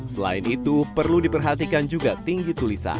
selain itu perlu diperhatikan juga tinggi tulisan